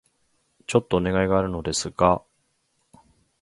ちょっとお願いがあるのですが...